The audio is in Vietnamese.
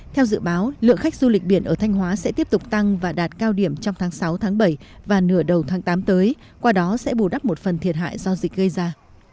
theo dự báo lượng khách du lịch biển ở thanh hóa sẽ tiếp tục tăng và đạt cao điểm trong tháng sáu tháng bảy và nửa đầu tháng tám tới qua đó sẽ bù đắp một phần thiệt hại do dịch gây ra